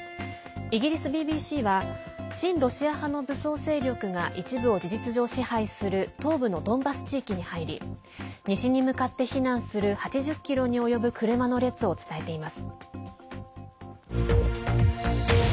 イギリスＢＢＣは親ロシア派の武装勢力が一部を事実上支配する東部のドンバス地域に入り西に向かって避難する８０ｋｍに及ぶ車の列を伝えています。